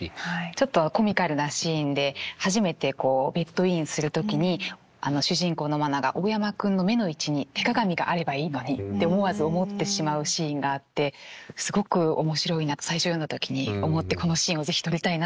ちょっとコミカルなシーンで初めてベッドインする時に主人公の愛菜が大山くんの目の位置に手鏡があればいいのにって思わず思ってしまうシーンがあってすごく面白いなと最初読んだ時に思ってこのシーンを是非撮りたいなと思ったんですけれども。